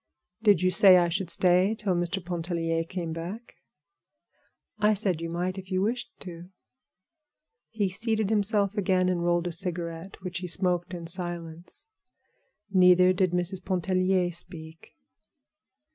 "Did you say I should stay till Mr. Pontellier came back?" "I said you might if you wished to." He seated himself again and rolled a cigarette, which he smoked in silence. Neither did Mrs. Pontellier speak.